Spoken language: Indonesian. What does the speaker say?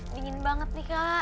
dingin banget nih kak